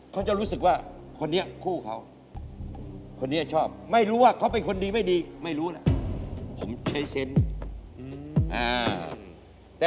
เค้าจะรู้สึกว่าคนนี้คู่เค้า